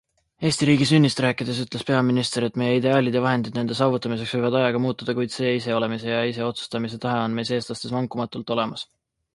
Eesti riigi sünnist rääkides ütles peaminister, et meie ideaalid ja vahendid nende saavutamiseks võivad ajaga muutuda, kuid see iseolemise ja ise otsustamise tahe on meis, eestlastes vankumatult olemas.